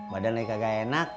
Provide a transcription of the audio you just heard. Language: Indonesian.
badan lagi kagak enak